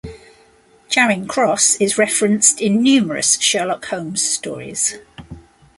Charing Cross is referenced in numerous Sherlock Holmes stories.